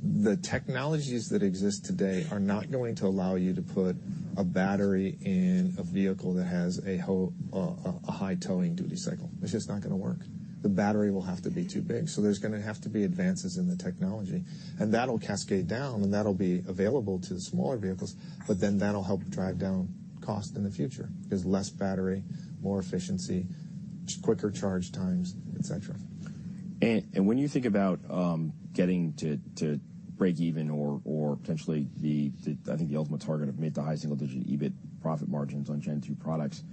The technologies that exist today are not going to allow you to put a battery in a vehicle that has a whole, a high towing duty cycle. It's just not gonna work. The battery will have to be too big, so there's gonna have to be advances in the technology, and that'll cascade down, and that'll be available to the smaller vehicles. But then that'll help drive down cost in the future. There's less battery, more efficiency, quicker charge times, et cetera. When you think about getting to break even or potentially the I think the ultimate target of mid- to high single-digit EBIT profit margins on Gen 2 products,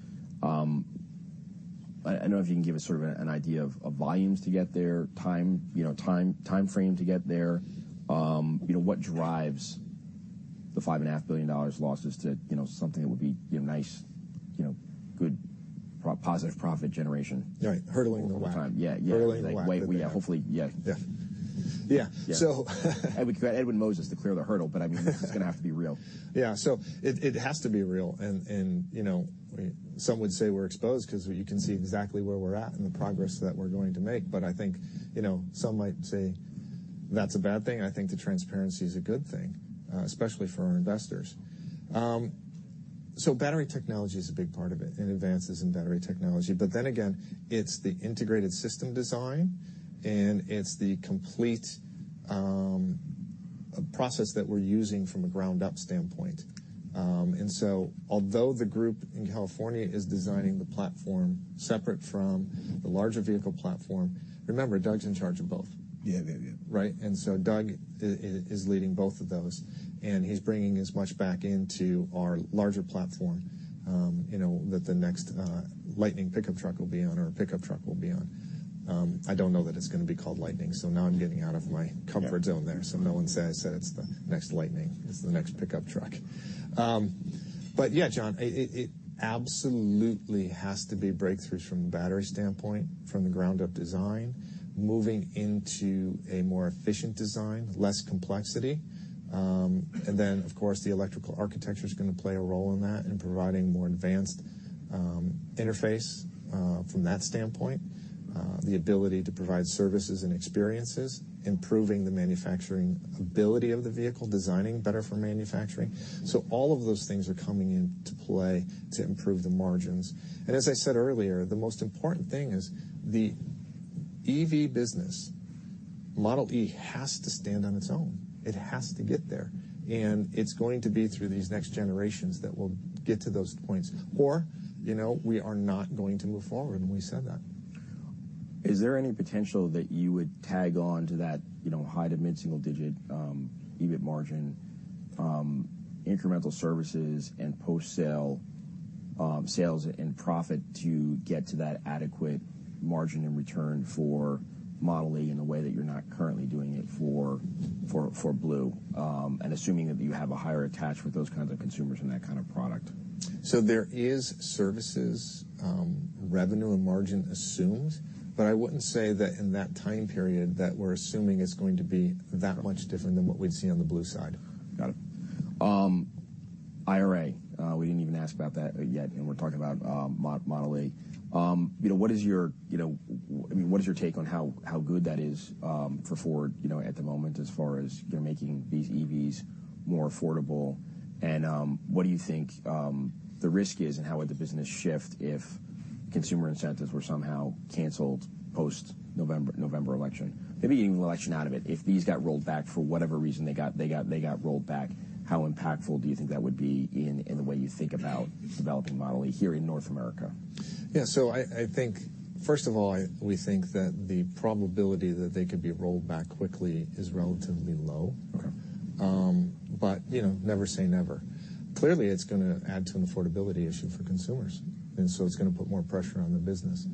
I don't know if you can give us sort of an idea of volumes to get there, time frame to get there. You know, what drives the $5.5 billion losses to you know something that would be you know nice you know good positive profit generation? Right. Hurdling the lap. Over time. Yeah, yeah. Hurdling the lap. Yeah, hopefully. Yeah. Yeah. Yeah. Yeah. So. Edwin Moses to clear the hurdle, but, I mean-... it's gonna have to be real. Yeah, so it has to be real. And, you know, some would say we're exposed 'cause you can see exactly where we're at and the progress that we're going to make. But I think, you know, some might say that's a bad thing? I think the transparency is a good thing, especially for our investors. So battery technology is a big part of it and advances in battery technology, but then again, it's the integrated system design, and it's the complete process that we're using from a ground-up standpoint. And so although the group in California is designing the platform separate from the larger vehicle platform, remember, Doug's in charge of both. Yeah, yeah, yeah. Right? And so Doug is leading both of those, and he's bringing as much back into our larger platform, you know, that the next Lightning pickup truck will be on, or a pickup truck will be on. I don't know that it's gonna be called Lightning, so now I'm getting out of my comfort zone there. Yeah. So no one say I said it's the next Lightning. It's the next pickup truck. But yeah, John, it absolutely has to be breakthroughs from a battery standpoint, from the ground-up design, moving into a more efficient design, less complexity. And then, of course, the electrical architecture's gonna play a role in that, in providing more advanced interface from that standpoint, the ability to provide services and experiences, improving the manufacturing ability of the vehicle, designing better for manufacturing. So all of those things are coming into play to improve the margins. And as I said earlier, the most important thing is the EV business, Model e, has to stand on its own. It has to get there, and it's going to be through these next generations that we'll get to those points, or, you know, we are not going to move forward, and we said that. Is there any potential that you would tag on to that, you know, high- to mid-single-digit EBIT margin, incremental services and post-sale sales and profit to get to that adequate margin in return for Model e in a way that you're not currently doing it for Blue? And assuming that you have a higher attach with those kinds of consumers and that kind of product. So there is services, revenue and margin assumed, but I wouldn't say that in that time period that we're assuming it's going to be that much different than what we'd see on the Blue side. Got it. IRA, we didn't even ask about that yet, and we're talking about Model e. You know, what is your, you know... I mean, what is your take on how, how good that is for Ford, you know, at the moment, as far as you're making these EVs more affordable? And, what do you think the risk is, and how would the business shift if consumer incentives were somehow canceled post-November, November election? Maybe even election out of it, if these got rolled back for whatever reason, they got, they got, they got rolled back, how impactful do you think that would be in, in the way you think about developing Model e here in North America? Yeah, so I think, first of all, we think that the probability that they could be rolled back quickly is relatively low. Okay. But, you know, never say never. Clearly, it's gonna add to an affordability issue for consumers, and so it's gonna put more pressure on the business.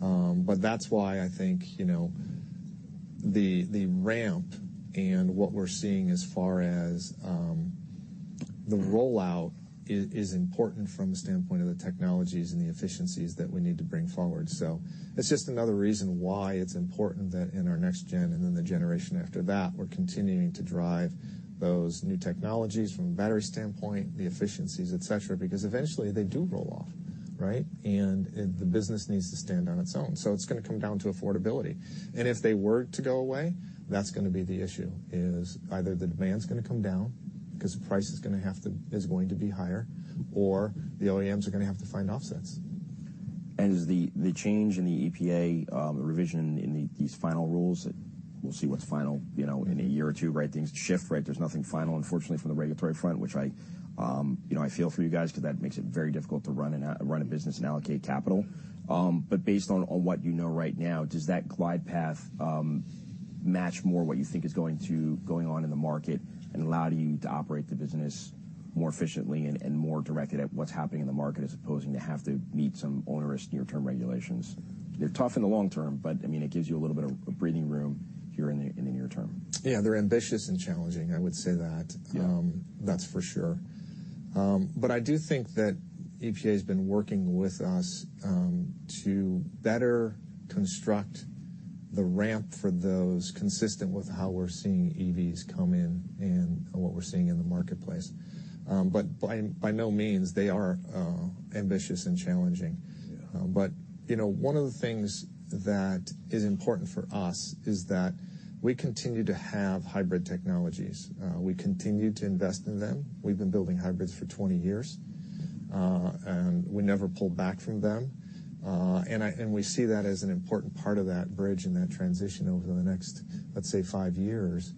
But that's why I think, you know, the ramp and what we're seeing as far as the rollout is important from the standpoint of the technologies and the efficiencies that we need to bring forward. So it's just another reason why it's important that in our next gen and in the generation after that, we're continuing to drive those new technologies from a battery standpoint, the efficiencies, et cetera, because eventually, they do roll off, right? The business needs to stand on its own, so it's gonna come down to affordability. If they were to go away, that's gonna be the issue, is either the demand's gonna come down because the price is gonna have to, is going to be higher, or the OEMs are gonna have to find offsets. Is the change in the EPA revision in these final rules, we'll see what's final, you know, in a year or two, right? Things shift, right? There's nothing final, unfortunately, from the regulatory front, which I, you know, I feel for you guys because that makes it very difficult to run a business and allocate capital. But based on what you know right now, does that glide path match more what you think is going to going on in the market and allow you to operate the business more efficiently and more directed at what's happening in the market, as opposed to have to meet some onerous near-term regulations? They're tough in the long term, but I mean, it gives you a little bit of breathing room here in the near term. Yeah, they're ambitious and challenging, I would say that. Yeah. That's for sure. But I do think that EPA has been working with us to better construct the ramp for those consistent with how we're seeing EVs come in and what we're seeing in the marketplace. But by no means, they are ambitious and challenging. Yeah. But, you know, one of the things that is important for us is that we continue to have hybrid technologies. We continue to invest in them. We've been building hybrids for 20 years, and we never pulled back from them. And we see that as an important part of that bridge and that transition over the next, let's say, 5 years,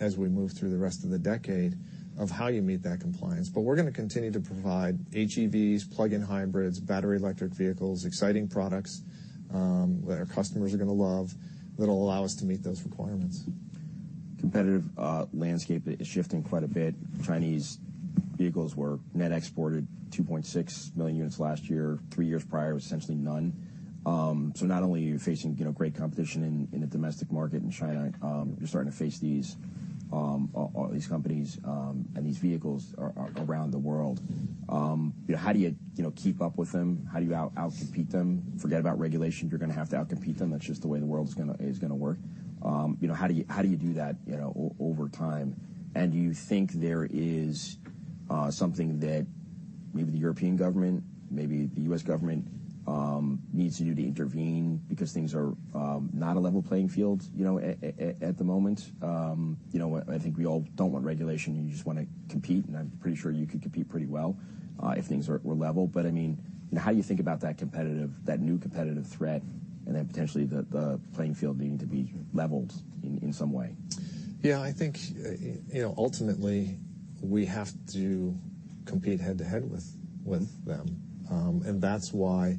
as we move through the rest of the decade, of how you meet that compliance. But we're gonna continue to provide HEVs, plug-in hybrids, battery electric vehicles, exciting products, that our customers are gonna love, that'll allow us to meet those requirements. Competitive landscape is shifting quite a bit. Chinese vehicles were net exported 2.6 million units last year. Three years prior, it was essentially none. So not only are you facing, you know, great competition in the domestic market in China, you're starting to face all these companies and these vehicles around the world. How do you, you know, keep up with them? How do you outcompete them? Forget about regulation. You're gonna have to outcompete them. That's just the way the world is gonna work. You know, how do you do that, you know, over time? And do you think there is something that-... Maybe the European government, maybe the U.S. government, needs to do to intervene because things are not a level playing field, you know, at the moment? You know, I think we all don't want regulation, and you just wanna compete, and I'm pretty sure you could compete pretty well, if things were level. But, I mean, how do you think about that new competitive threat and then potentially the playing field needing to be leveled in some way? Yeah, I think, you know, ultimately, we have to compete head-to-head with them. And that's why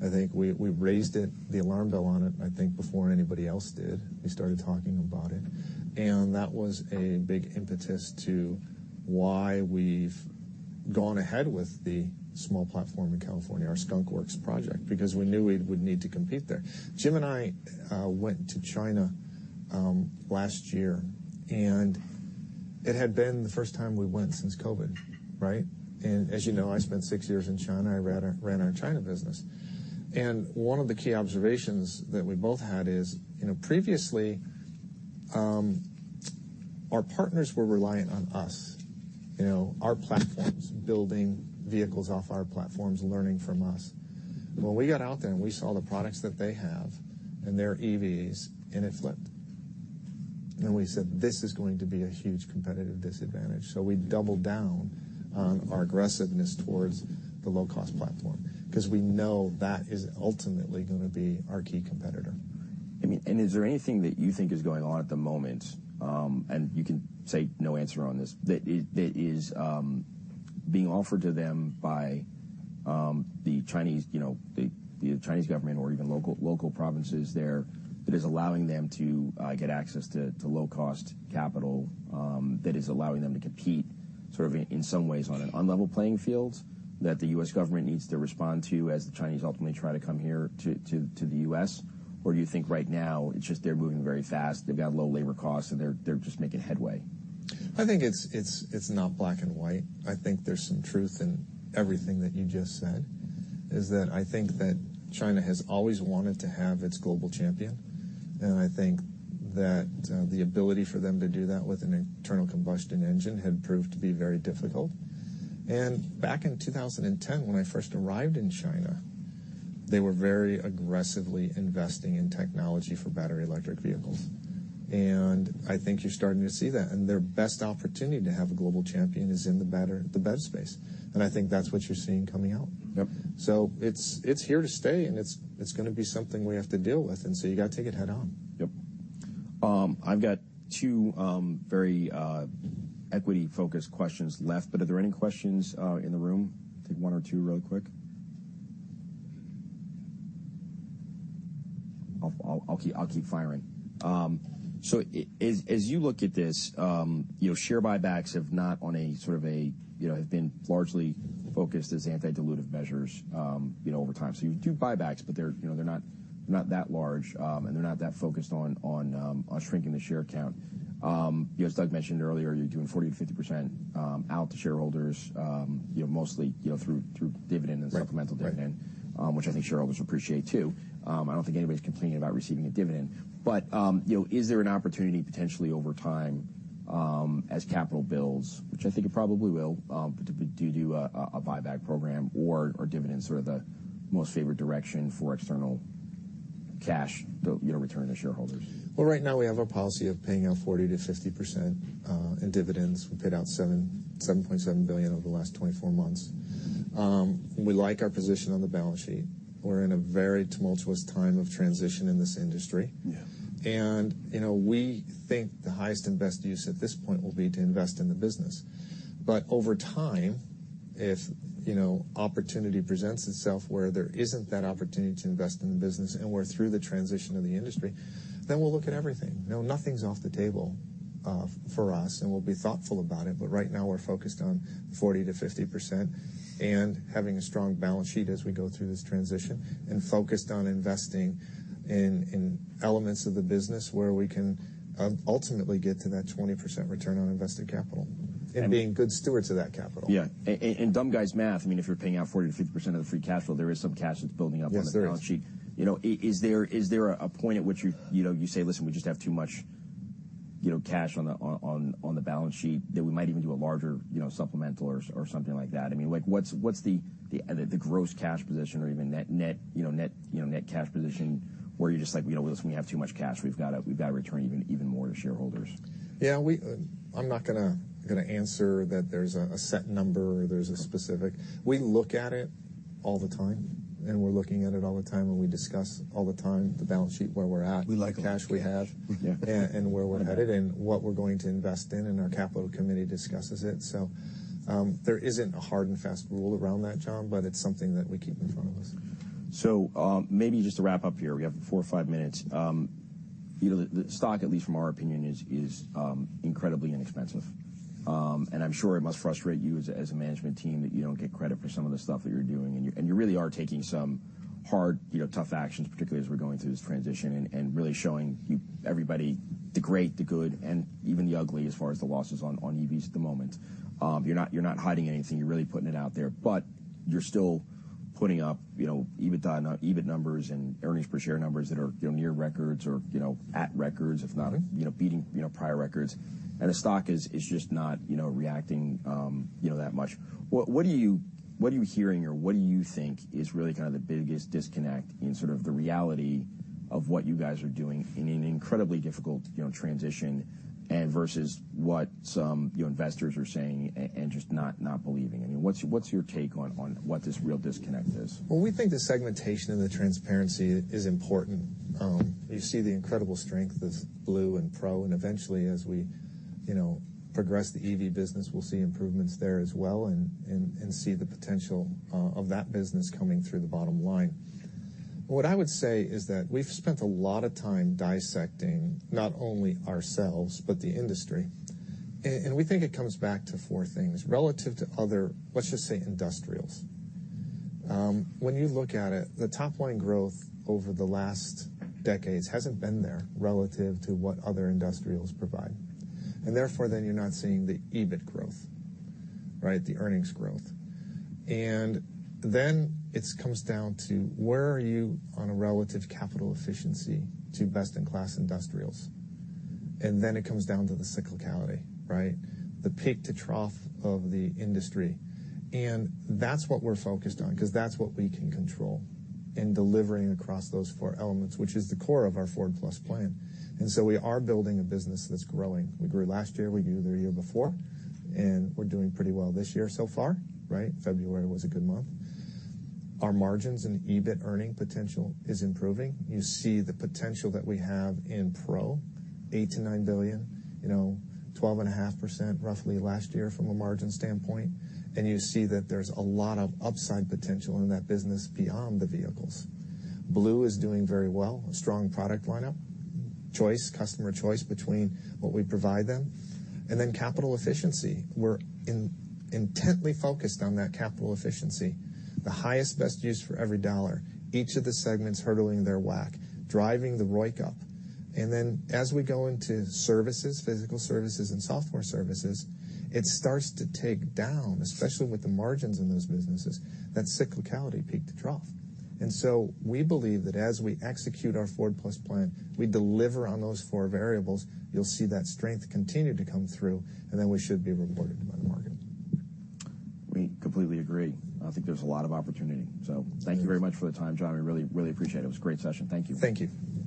I think we raised the alarm bell on it, I think, before anybody else did. We started talking about it, and that was a big impetus to why we've gone ahead with the small platform in California, our Skunk Works project, because we knew we would need to compete there. Jim and I went to China last year, and it had been the first time we went since COVID, right? And as you know, I spent six years in China. I ran our China business. And one of the key observations that we both had is, you know, previously, our partners were reliant on us, you know, our platforms, building vehicles off our platforms, learning from us. When we got out there, and we saw the products that they have and their EVs, and it flipped, and we said, "This is going to be a huge competitive disadvantage." So we doubled down on our aggressiveness towards the low-cost platform because we know that is ultimately gonna be our key competitor. I mean, and is there anything that you think is going on at the moment, and you can say no answer on this, that is being offered to them by the Chinese, you know, the Chinese government or even local provinces there, that is allowing them to get access to low-cost capital, that is allowing them to compete, sort of, in some ways, on an unlevel playing field, that the U.S. government needs to respond to as the Chinese ultimately try to come here to the U.S.? Or do you think right now it's just they're moving very fast, they've got low labor costs, and they're just making headway? I think it's not black and white. I think there's some truth in everything that you just said, is that I think that China has always wanted to have its global champion, and I think that the ability for them to do that with an internal combustion engine had proved to be very difficult. Back in 2010, when I first arrived in China, they were very aggressively investing in technology for battery electric vehicles, and I think you're starting to see that. Their best opportunity to have a global champion is in the better- the best space, and I think that's what you're seeing coming out. Yep. So it's, it's here to stay, and it's, it's gonna be something we have to deal with, and so you gotta take it head-on. Yep. I've got two very equity-focused questions left, but are there any questions in the room? Take one or two really quick. I'll, I'll, I'll keep, I'll keep firing. So as, as you look at this, you know, share buybacks have not on a sort of a, you know, have been largely focused as anti-dilutive measures, you know, over time. So you do buybacks, but they're, you know, they're not, not that large, and they're not that focused on, on, on shrinking the share count. You know, as Doug mentioned earlier, you're doing 40%-50% out to shareholders, you know, mostly, you know, through, through dividend- Right.... and supplemental dividend- Right.... which I think shareholders appreciate, too. I don't think anybody's complaining about receiving a dividend, but, you know, is there an opportunity potentially over time, as capital builds, which I think it probably will, to do a buyback program or dividends are the most favorite direction for external cash, you know, return to shareholders? Well, right now we have a policy of paying out 40%-50% in dividends. We paid out $7.7 billion over the last 24 months. We like our position on the balance sheet. We're in a very tumultuous time of transition in this industry. Yeah. And, you know, we think the highest and best use at this point will be to invest in the business. But over time, if, you know, opportunity presents itself, where there isn't that opportunity to invest in the business, and we're through the transition of the industry, then we'll look at everything. You know, nothing's off the table, for us, and we'll be thoughtful about it. But right now, we're focused on 40%-50% and having a strong balance sheet as we go through this transition and focused on investing in, in elements of the business where we can, ultimately get to that 20% return on invested capital- And- and being good stewards of that capital. Yeah. And dumb guy's math, I mean, if you're paying out 40%-50% of the free cash flow, there is some cash that's building up- Yes, there is.... on the balance sheet. You know, is there a point at which you, you know, you say, "Listen, we just have too much, you know, cash on the balance sheet, that we might even do a larger, you know, supplemental or something like that?" I mean, like, what's the gross cash position or even net cash position where you're just like, "You know, listen, we have too much cash. We've gotta return even more to shareholders? Yeah, we... I'm not gonna answer that there's a set number or there's a specific... We look at it all the time, and we're looking at it all the time, and we discuss all the time the balance sheet, where we're at. We like it—the cash we have. Yeah... and where we're headed and what we're going to invest in, and our capital committee discusses it. So, there isn't a hard and fast rule around that, John, but it's something that we keep in front of us. So, maybe just to wrap up here, we have four or five minutes. You know, the stock, at least from our opinion, is incredibly inexpensive. And I'm sure it must frustrate you as a management team, that you don't get credit for some of the stuff that you're doing, and you really are taking some hard, you know, tough actions, particularly as we're going through this transition and really showing everybody the great, the good, and even the ugly, as far as the losses on EVs at the moment. You're not hiding anything. You're really putting it out there, but you're still-... Putting up, you know, EBITDA, EBIT numbers and earnings per share numbers that are, you know, near records or, you know, at records, if not, you know, beating, you know, prior records, and the stock is just not, you know, reacting, you know, that much. What are you hearing, or what do you think is really kind of the biggest disconnect in sort of the reality of what you guys are doing in an incredibly difficult, you know, transition and versus what some, you know, investors are saying and just not believing in? What's your take on what this real disconnect is? Well, we think the segmentation and the transparency is important. You see the incredible strength of Blue and Pro, and eventually, as we, you know, progress the EV business, we'll see improvements there as well and see the potential of that business coming through the bottom line. What I would say is that we've spent a lot of time dissecting not only ourselves but the industry, and we think it comes back to four things relative to other, let's just say, industrials. When you look at it, the top-line growth over the last decades hasn't been there relative to what other industrials provide, and therefore, then you're not seeing the EBIT growth, right, the earnings growth. And then it comes down to where are you on a relative capital efficiency to best-in-class industrials? And then it comes down to the cyclicality, right? The peak to trough of the industry. That's what we're focused on because that's what we can control in delivering across those four elements, which is the core of our Ford+ plan. So we are building a business that's growing. We grew last year, we grew the year before, and we're doing pretty well this year so far, right? February was a good month. Our margins and EBIT earning potential is improving. You see the potential that we have in Pro, $8 billion-$9 billion, you know, 12.5%, roughly last year from a margin standpoint, and you see that there's a lot of upside potential in that business beyond the vehicles. Blue is doing very well, a strong product lineup, choice, customer choice between what we provide them. And then capital efficiency, we're intently focused on that capital efficiency, the highest, best use for every dollar, each of the segments hurdling their WACC, driving the ROIC up. And then as we go into services, physical services, and software services, it starts to take down, especially with the margins in those businesses, that cyclicality peak to trough. And so we believe that as we execute our Ford+ plan, we deliver on those four variables, you'll see that strength continue to come through, and then we should be rewarded by the market. We completely agree. I think there's a lot of opportunity. Yes. Thank you very much for the time, John. We really, really appreciate it. It was a great session. Thank you. Thank you.